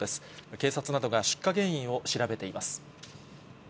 警察などが出火原因を調べています。